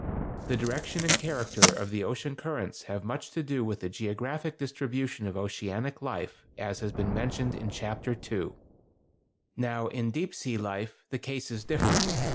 The direction and character of the ocean currents have much to do with the geographic distribution of oceanic life, as has been mentioned in Chapter II (page 25). Now in deep sea life the case is different.